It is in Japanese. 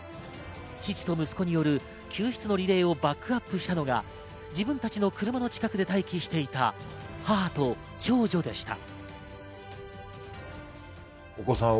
父と息子による救出のリレーをバックアップしたのが自分たちの車の近くで待機していた母と長女でした。